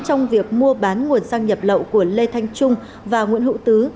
trong việc mua bán nguồn xăng nhập lậu của lê thanh trung và nguyễn hữu tứ